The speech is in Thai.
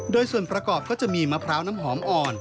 โดยส่วนประกอบก็จะมีมะพร้าวน้ำหอมอ่อน